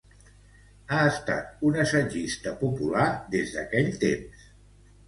Ha estat un assagista popular des d'aquell temps.